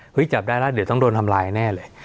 จับได้แล้วเดี๋ยวต้องโดนทำลายแน่เลย